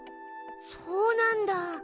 そうなんだ。